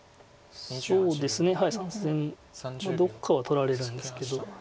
そうですね３線どっかは取られるんですけど。